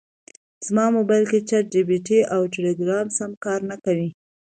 زما مبایل کې چټ جي پي ټي او ټیلیګرام سم کار نکوي